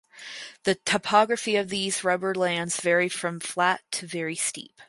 The topography of theses rubber lands vary from flat too very steep.